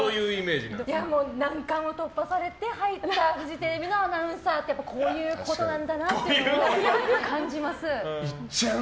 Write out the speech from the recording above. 難関を突破されて入ったフジテレビのアナウンサーってこういうことなんだなって感じます。